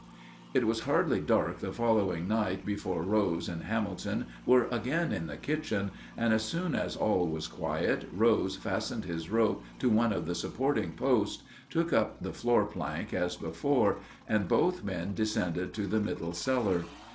It was hardly dark the following night before Rose and Hamilton were again in the kitchen, and as soon as all was quiet Rose fastened his rope to one of the supporting posts, took up the floor plank as before, and both men descended to the middle cellar.